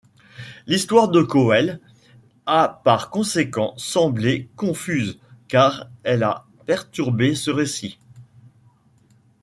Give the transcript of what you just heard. L'histoire de Cowell a par conséquent semblé confuse car elle a perturbé ce récit.